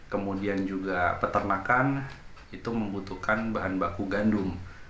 kemudian juga peternakan itu membutuhkan bahan baku gandum